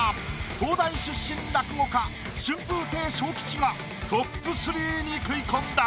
東大出身落語家春風亭昇吉がトップ３に食い込んだ。